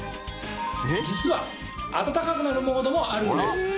実は暖かくなるモードもあるんです。